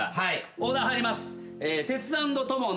オーダー入ります。